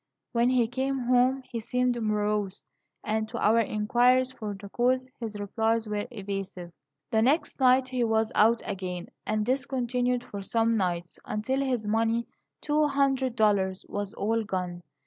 When he came home, he seemed morose; and to our inquiries for the cause, his replies were evasive. "The next night he was out again; and this continued for some nights, until his money two hundred dollars was all gone.